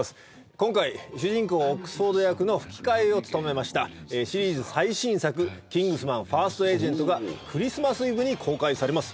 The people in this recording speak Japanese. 今回主人公・オックスフォード役の吹き替えを務めましたシリーズ最新作「キングスマンファースト・エージェント」がクリスマスイブに公開されます